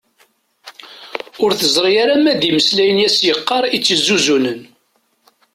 Ur teẓri ma d imeslayen i as-yeqqar i tt-isuzunen.